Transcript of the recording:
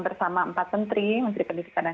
bersama empat menteri menteri pendidikan dan